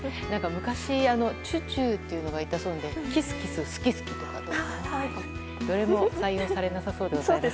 昔、チュチューっていうのがいたそうでキスキス、スキスキとかどれも採用されなさそうです。